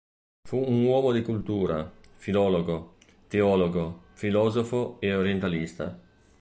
Fu un uomo di cultura: filologo, teologo, filosofo e orientalista.